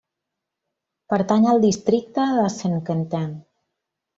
Pertany al Districte de Saint-Quentin.